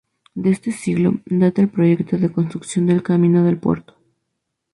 De este siglo data el proyecto de construcción del Camino del Puerto.